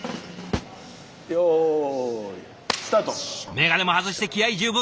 眼鏡も外して気合い十分！